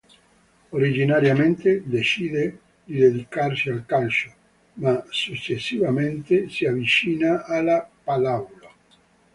Originariamente decide di dedicarsi al calcio, ma successivamente si avvicina alla pallavolo.